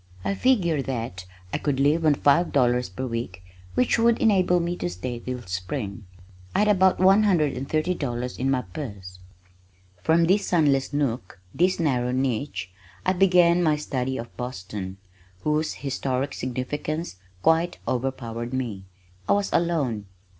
I figured that I could live on five dollars per week which would enable me to stay till spring. I had about one hundred and thirty dollars in my purse. From this sunless nook, this narrow niche, I began my study of Boston, whose historic significance quite overpowered me. I was alone.